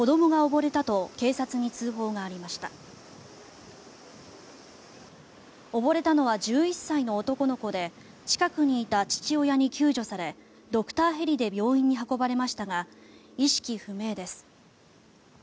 溺れたのは１１歳の男の子で近くにいた父親に救助されドクターヘリで病院に運ばれましたが意識不明です。